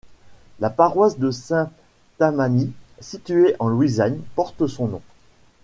La paroisse de Saint-Tammany, située en Louisiane, porte son nom.